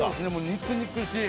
肉々しい。